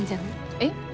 えっ。